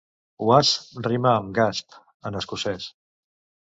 "Wasp" rima amb "gasp" en escocès.